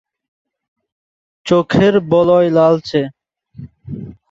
চোখের বলয় লালচে।